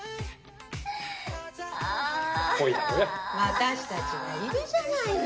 私たちがいるじゃないの！